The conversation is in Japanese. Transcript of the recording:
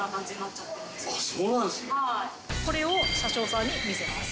これを車掌さんに見せます。